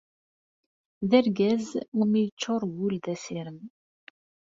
D argaz iwumi yeččur wul d asirem.